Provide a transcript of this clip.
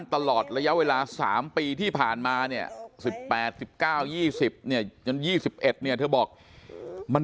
ตลอดระยะเวลา๓ปีที่ผ่านมาเนี่ย๑๘๑๙๒๐เนี่ยจน๒๑เนี่ยเธอบอกมัน